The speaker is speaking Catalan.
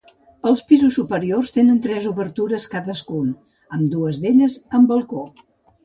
Els pisos superiors tenen tres obertures cadascun, amb dues d'elles amb balcó.